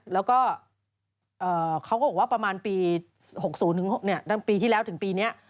แล้วก็เขาก็บอกว่าประมาณปี๖๐ตั้งปีที่แล้วถึงปีนี้